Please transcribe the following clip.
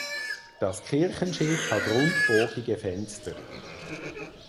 Das Kirchenschiff hat rundbogige Fenster.